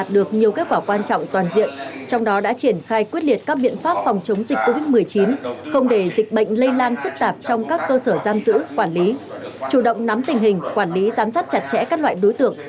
đối với các cơ sở giam giữ quản lý chủ động nắm tình hình quản lý giám sát chặt chẽ các loại đối tượng